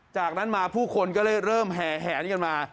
จากนั้นมาผู้คนก็เลยเริ่มแห่แหนกันมา